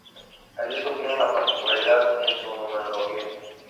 El disco tiene una particularidad en su numerología.